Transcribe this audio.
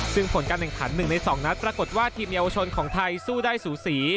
ซึ่งผลการแข่งขัน๑ใน๒นัดปรากฏว่าทีมเยาวชนของไทยสู้ได้สูสี